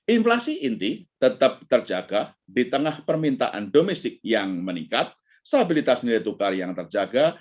inflasi inti tetap terjaga di tengah permintaan domestik yang meningkat stabilitas nilai tukar yang terjaga